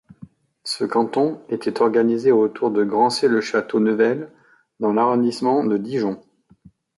Ce canton était organisé autour de Grancey-le-Château-Neuvelle dans l'arrondissement de Dijon.